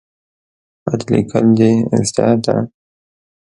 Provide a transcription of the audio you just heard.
خط لیکل د زده ده؟